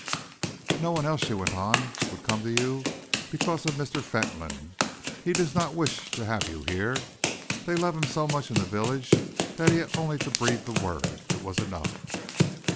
"No one else," she went on, "would come to you because of Mr. Fentolin. He does not wish to have you here. They love him so much in the village that he had only to breathe the word. It was enough."